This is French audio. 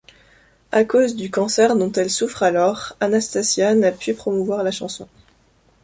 À cause du cancer dont elle souffre alors, Anastacia n'a pu promouvoir la chanson.